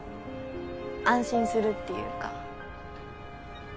安心するっていうか。